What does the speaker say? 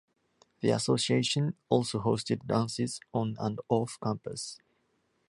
The association also hosted dances on and off campus.